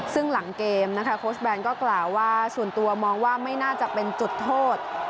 ซึ่งหลังเกมนะคะโค้ชแบนก็กล่าวว่าส่วนตัวมองว่าไม่น่าจะเป็นจุดโทษ